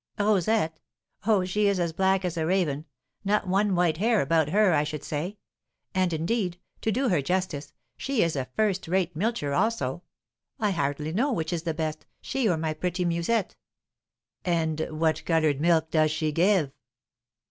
"Rosette? Oh, she is as black as a raven, not one white hair about her I should say; and, indeed, to do her justice, she is a first rate milcher also. I hardly know which is the best, she or my pretty Musette." "And what coloured milk does she give?"